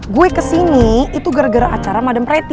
gue kesini itu gara gara acara madem pretty